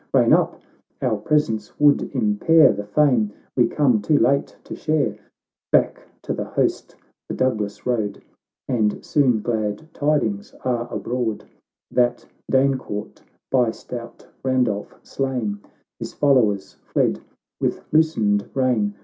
Rein up; our presence would impair The fame we come too late to share." — Back to the host the Douglas rode, And soon glad tidings are abroad, That, Dayncourt by stout Randolph slain, His followers fled with loosened rein.